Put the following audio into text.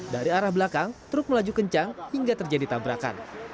dari arah belakang truk melaju kencang hingga terjadi tabrakan